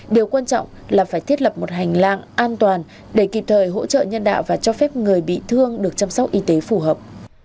điều quan trọng là phải thiết lập một hành lang an toàn để kịp thời hỗ trợ nhân đạo và cho phép người bị thương được chăm sóc y tế phù hợp